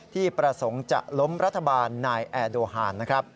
ที่ประสงค์จะล้มรัฐบาลนายแอร์โดฮาน